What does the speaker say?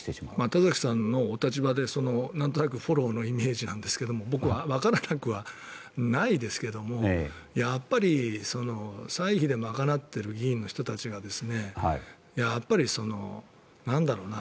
田崎さんのお立場でなんとなくフォローのイメージなんですが僕はわからなくはないですがやっぱり歳費で賄っている議員の人たちがやっぱり、なんだろうな。